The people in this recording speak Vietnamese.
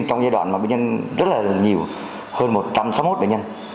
trong giai đoạn mà bệnh nhân rất là nhiều hơn một trăm sáu mươi một bệnh nhân